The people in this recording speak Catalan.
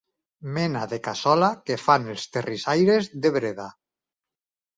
Mena de cassola que fan els terrissaires de Breda.